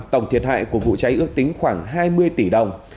tổng thiệt hại của vụ cháy ước tính khoảng hai mươi tỷ đồng